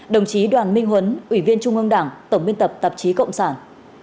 đồng chí đoàn minh huấn ủy viên trung ương đảng tổng biên tập tạp chí cộng sản